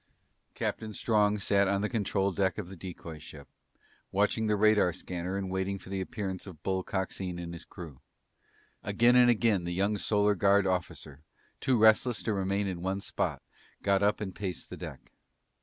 Captain Strong sat on the control deck of the decoy ship, watching the radar scanner and waiting for the appearance of Bull Coxine and his crew. Again and again, the young Solar Guard officer, too restless to remain in one spot, got up and paced the deck.